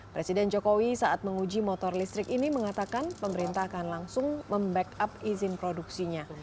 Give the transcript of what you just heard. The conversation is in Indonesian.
presiden jokowi saat menguji motor listrik ini mengatakan pemerintah akan langsung membackup izin produksinya